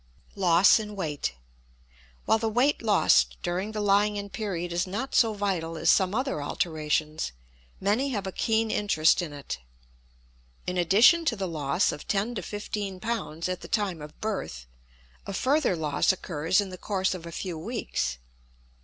Loss in Weight. While the weight lost during the lying in period is not so vital as some other alterations, many have a keen interest in it. In addition to the loss of ten to fifteen pounds at the time of birth, a further loss occurs in the course of a few weeks.